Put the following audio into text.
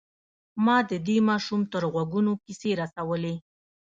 ما د دې ماشوم تر غوږونو کيسې رسولې.